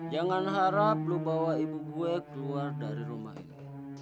jangan harap lu bawa ibu gue keluar dari rumah ini